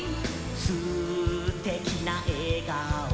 「すてきなえがおで」